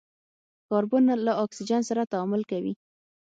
کاربن له اکسیجن سره تعامل کوي.